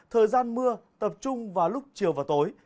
thời gian mưa tập trung vào lúc chiều và tối